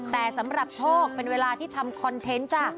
แต่สำหรับโชคเป็นเวลาที่ทำคอนเทนต์จ้ะ